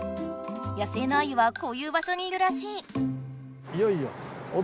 野生のアユはこういう場所にいるらしい。